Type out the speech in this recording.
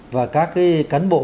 và các cái cán bộ